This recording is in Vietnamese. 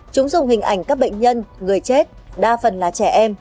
chúng dùng hình ảnh các bệnh nhân người chết đa phần là trẻ em